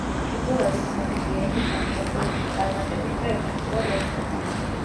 ჩიკვილაძე ცნობილია იმით, რომ შეტევებში წარმატებით და ეფექტურად ერთვება.